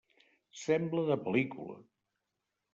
Sembla de pel·lícula!